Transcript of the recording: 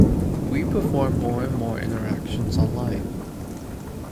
We perform more and more interactions online.